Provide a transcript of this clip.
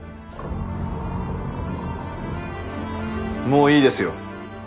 もういいですよ。